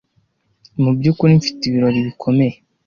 mubyukuri mfite ibirori bikomeye